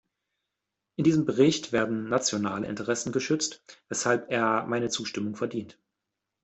In diesem Bericht werden nationale Interessen geschützt, weshalb er meine Zustimmung verdient.